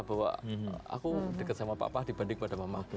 bahwa aku dekat sama papa dibanding pada mama